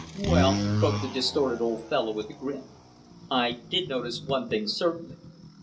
"Well," croaked the distorted old fellow, with a grin, "I did notice one thing, certainly.